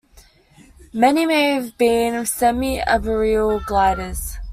Many may have been semi-arboreal gliders.